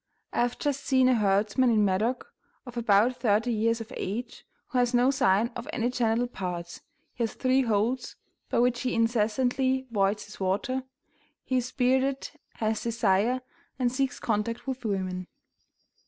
I have just seen a herdsman in Medoc, of about thirty years of age, who has no sign of any genital parts; he has three holes by which he incessantly voids his water; he is bearded, has desire, and seeks contact with women.